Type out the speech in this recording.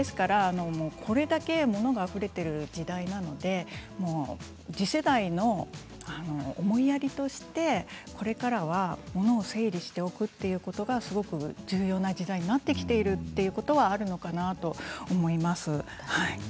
これだけ物があふれている時代なので次世代への思いやりとしてこれからは物を整理しておくということがすごく重要な時代になってきてるということはあるのかなと思います。